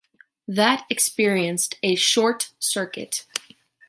That experienced a short-circuit.